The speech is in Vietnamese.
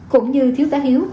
cũng như thiếu tá hiếu